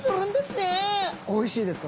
おいしいですか？